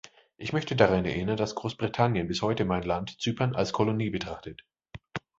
Ich möchte daran erinnern, dass Großbritannien bis heute mein Land – Zypern – als Kolonie betrachtet.